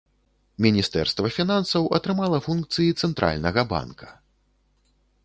Міністэрства фінансаў атрымала функцыі цэнтральнага банка.